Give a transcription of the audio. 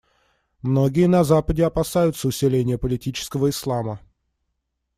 Многие на Западе опасаются усиления политического Ислама.